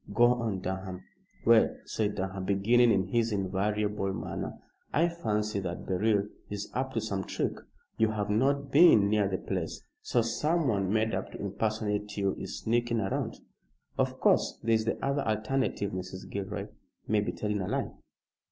Go on, Durham." "Well," said Durham, beginning in his invariable manner, "I fancy that Beryl is up to some trick. You have not been near the place; so someone made up to impersonate you is sneaking round. Of course, there is the other alternative, Mrs. Gilroy may be telling a lie!"